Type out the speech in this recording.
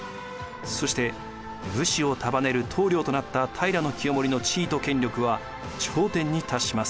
そして武士を束ねる棟梁となった平清盛の地位と権力は頂点に達します。